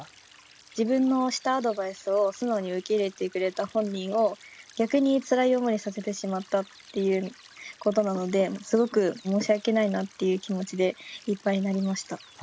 自分のしたアドバイスを素直に受け入れてくれた本人を逆につらい思いさせてしまったっていうことなのですごく申しわけないなっていう気持ちでいっぱいになりました。